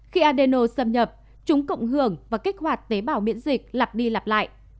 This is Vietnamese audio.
khi adeno xâm nhập chúng cộng hưởng và kích hoạt tế bào miễn dịch lặp đi lặp lại